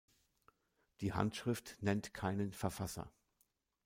Die Handschrift nennt keinen Verfasser.